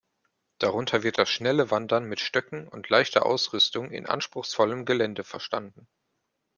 Darunter wird das schnelle Wandern mit Stöcken und leichter Ausrüstung in anspruchsvollem Gelände verstanden.